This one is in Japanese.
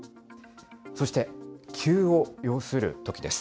そして、急を要するときです。